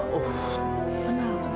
oh oh oh tenang tenang